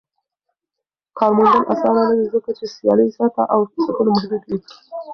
کار موندل اسانه نه وي ځکه چې سيالي زياته او فرصتونه محدود وي.